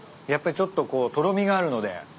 やっぱちょっとこうとろみがあるので。